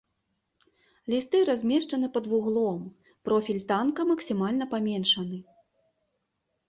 Лісты размешчаны пад вуглом, профіль танка максімальна паменшаны.